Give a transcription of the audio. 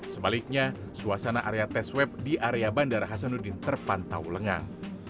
sebaliknya suasana area tes web di area bandara hasanuddin terpantau lengang